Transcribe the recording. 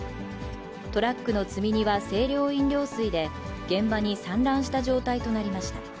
トラックの積み荷は清涼飲料水で、現場に散乱した状態となりました。